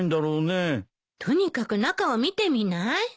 とにかく中を見てみない？